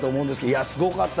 いや、すごかった。